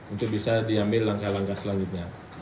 untuk bisa diambil langkah langkah selanjutnya